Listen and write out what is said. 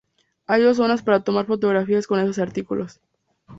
Hay dos zonas para tomar fotografías con estos artículos.